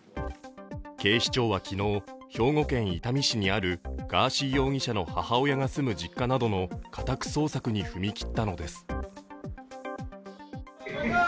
警視庁は昨日、兵庫県伊丹市にあるガーシー容疑者の母親が住む実家などの家宅捜索に踏み切ったのです。